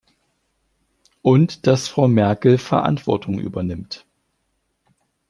Und dass Frau Merkel Verantwortung übernimmt.